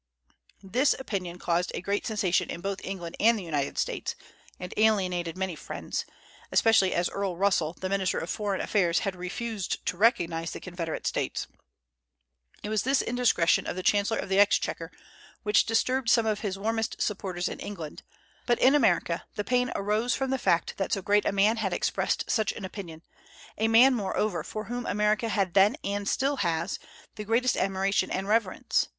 This opinion caused a great sensation in both England and the United States, and alienated many friends, especially as Earl Russell, the minister of foreign affairs, had refused to recognize the Confederate States. It was the indiscretion of the chancellor of the exchequer which disturbed some of his warmest supporters in England; but in America the pain arose from the fact that so great a man had expressed such an opinion, a man, moreover, for whom America had then and still has the greatest admiration and reverence.